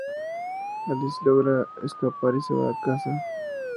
Alice logra escapar y se va a casa.